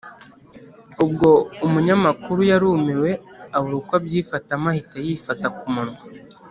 ubwo umumanyamakuru yarumiwe abura uko abyifatamo ahita yifata ku munwa